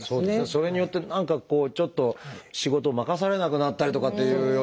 それによって何かこうちょっと仕事を任されなくなったりとかっていうようなことになるとね。